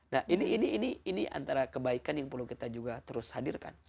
nah ini antara kebaikan yang perlu kita juga terus hadirkan